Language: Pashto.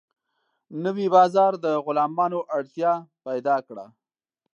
نوی بازار د غلامانو اړتیا پیدا کړه.